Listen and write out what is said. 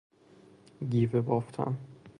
گیوه بافتن